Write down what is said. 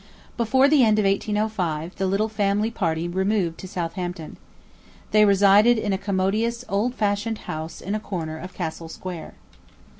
Before the end of 1805, the little family party removed to Southampton. They resided in a commodious old fashioned house in a corner of Castle Square.